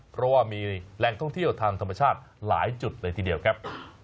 เพราะว่ามีแหล่งท่องเที่ยวทางธรรมชาติหลายจุดเลยทีเดียวครับ